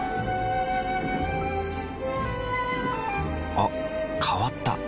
あ変わった。